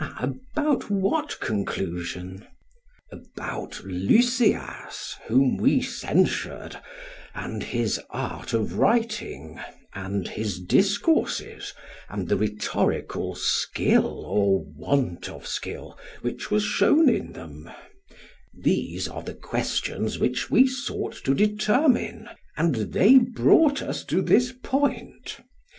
PHAEDRUS: About what conclusion? SOCRATES: About Lysias, whom we censured, and his art of writing, and his discourses, and the rhetorical skill or want of skill which was shown in them these are the questions which we sought to determine, and they brought us to this point.